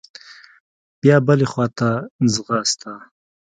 بيا بلې خوا ته ځغسته.